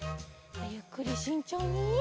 ゆっくりしんちょうに。